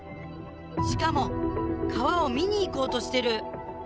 しかも川を見に行こうとしてる。